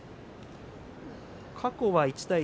過去は１対１。